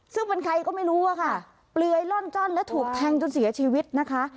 ซึ่งเป็นใครก็ไม่รู้อะค่ะเปลือยล่อนจ้อนและถูกแทงจนเสียชีวิตนะคะ